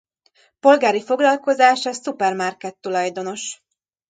Polgári foglalkozása szupermarket-tulajdonos.